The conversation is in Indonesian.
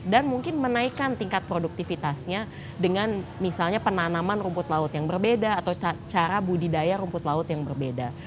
dan mungkin menaikkan tingkat produktivitasnya dengan misalnya penanaman rumput laut yang berbeda atau cara budidaya rumput laut yang berbeda